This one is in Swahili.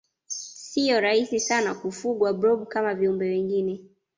siyo rahisi sana kufugwa blob kama viumbe wengine